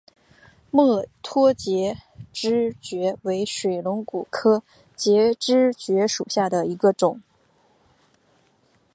墨脱节肢蕨为水龙骨科节肢蕨属下的一个种。